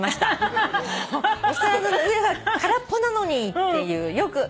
「お皿の上は空っぽなのに」っていうよく。